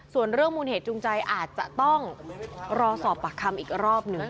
ส่วนเรื่องมูลเหตุจูงใจอาจจะต้องรอสอบปากคำอีกรอบหนึ่ง